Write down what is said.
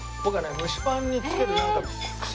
蒸しパンにつけるクセが。